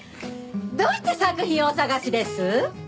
どういった作品をお探しです？